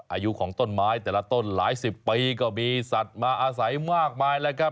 อายุของต้นไม้แต่ละต้นหลายสิบปีก็มีสัตว์มาอาศัยมากมายแล้วครับ